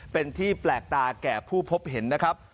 เป็นที่แปลกตาแก่ผู้พบเห็นนะครับ